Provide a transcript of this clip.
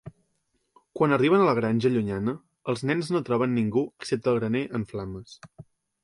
Quan arriben a la granja llunyana, els nens no troben ningú excepte el graner en flames.